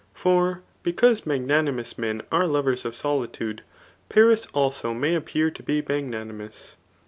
For because magnanimous men are lovers of solitude, Paris also may appear to be magnanimous.